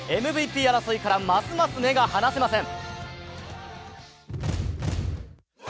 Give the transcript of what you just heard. ＭＶＰ争いから、ますます目が離せません。